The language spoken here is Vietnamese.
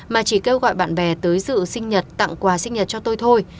mà chỉ kêu gọi bạn bè tới dự sinh nhật tặng quà sinh nhật cho tôi thôi